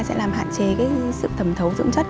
sẽ làm hạn chế sự thẩm thấu dưỡng chất